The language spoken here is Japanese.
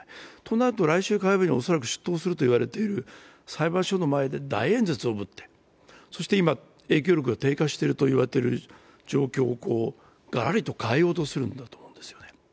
となると、来週火曜日に恐らく出頭すると言われている裁判所の前で大演説をぶって、そして今、影響力が低下していると言われている状況をガラリと変えようとしてるんですよね。